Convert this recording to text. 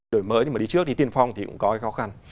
đổi mới nhưng mà đi trước thì tiên phong thì cũng có cái khó khăn